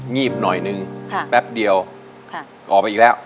ีบหน่อยนึงแป๊บเดียวออกไปอีกแล้ว